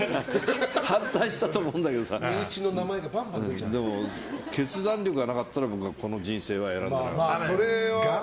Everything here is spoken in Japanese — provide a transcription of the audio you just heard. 反対したと思うんだけどさでも決断力がなかったらこの人生は選んでないと思う。